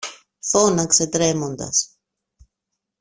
φώναξε τρέμοντας.